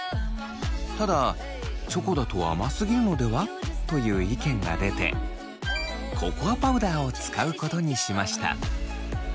ただ「チョコだと甘すぎるのでは？」という意見が出てココアパウダーを使うことにしました。